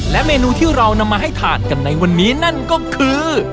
และเมนูที่เรานำมาให้ทานกันในวันนี้นั่นก็คือ